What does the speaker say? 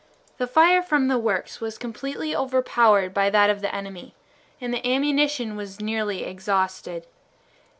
The fire from the works was completely overpowered by that of the enemy, and the ammunition was nearly exhausted.